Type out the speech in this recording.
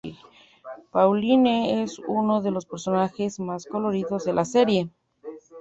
Paulie es uno de los personajes más coloridos de la serie.